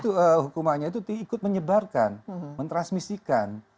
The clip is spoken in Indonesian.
benar kan itu hukumannya itu diikut menyebarkan mentransmisikan